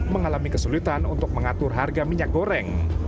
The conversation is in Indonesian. mengalami kesulitan untuk mengatur harga minyak goreng